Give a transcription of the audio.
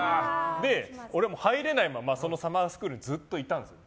で、俺もう入れないままそのサマースクールにずっといたんですよ。